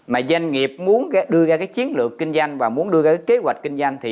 mà doanh nghiệp muốn đưa ra các chiến lược kinh doanh và muốn đưa ra kế hoạch kinh doanh